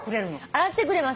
洗ってくれます。